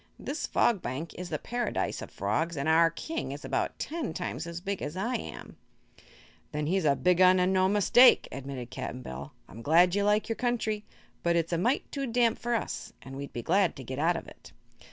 This Fog Bank is the Paradise of Frogs and our King is about ten times as big as I am." "Then he's a big un, an' no mistake," admitted Cap'n Bill. "I'm glad you like your country, but it's a mite too damp for us, an' we'd be glad to get out of it."